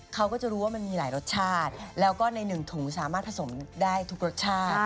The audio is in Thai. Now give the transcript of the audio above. เขาก็จะรู้ว่ามันมีหลายรสชาติแล้วก็ในหนึ่งถุงสามารถผสมได้ทุกรสชาติ